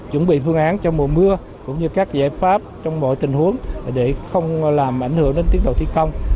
chuẩn bị phương án cho mùa mưa cũng như các giải pháp trong mọi tình huống để không làm ảnh hưởng đến tiến độ thi công